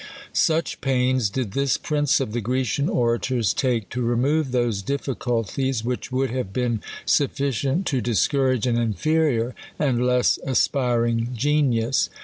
Such pains did this prince of the Grecian orators take " to remove those diiliculties, which would have been sufficient to discourage an inferior, and less aspiring genius.